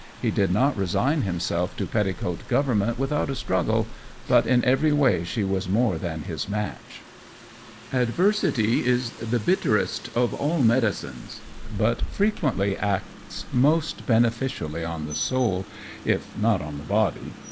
He did not resign himself to petticoat government without a struggle, but in every way she was more than his match. Adversity is the bitterest of all medicines, but frequently acts most beneficially on the soul, if not on the body.